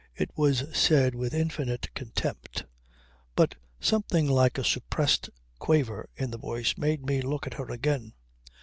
It was said with infinite contempt; but something like a suppressed quaver in the voice made me look at her again.